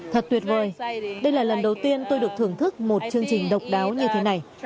thật tuyệt vời đây là lần đầu tiên tôi được thưởng thức một chương trình độc đáo như thế này